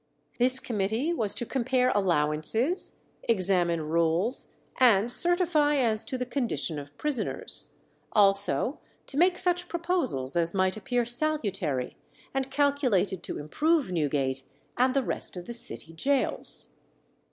This committee was to compare allowances, examine rules, and certify as to the condition of prisoners; also to make such proposals as might appear salutary, and calculated to improve Newgate and the rest of the city gaols.